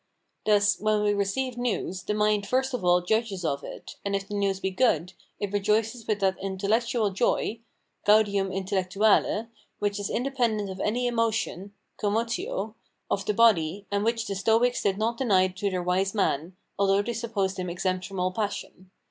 Thus, when we receive news, the mind first of all judges of it, and if the news be good, it rejoices with that intellectual joy (GAUDIUM INTELLECTUALE) which is independent of any emotion (COMMOTIO) of the body, and which the Stoics did not deny to their wise man [although they supposed him exempt from all passion].